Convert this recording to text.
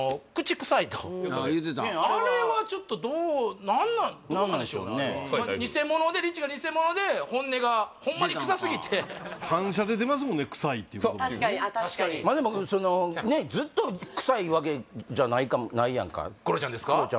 言うてたあれはちょっとどう何なん何なんでしょうねリチが偽物で本音がホンマにクサすぎて反射で出ますもんね「クサい」っていう言葉確かにまあでもそのねずっとクサいわけじゃないかもないやんかクロちゃんですか？